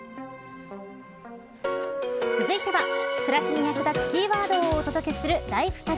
続いては、暮らしに役立つキーワードをお届けするＬｉｆｅＴａｇ